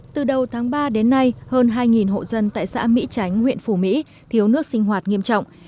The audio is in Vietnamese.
từ đầu tháng ba đến nay hơn hai hộ dân tại xã mỹ tránh huyện phủ mỹ thiếu nước sinh hoạt nghiêm trọng